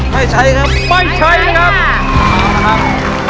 ไม่ใช้ครับ